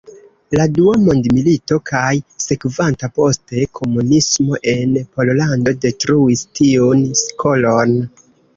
La dua mondmilito kaj sekvanta poste komunismo en Pollando detruis tiun skolon.